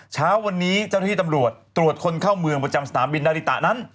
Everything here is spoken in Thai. เช้าวันนี้เจ้าหน้าที่ตำรวจตรวจคนเข้าเมืองประจำสนามบินนาริตะนั้น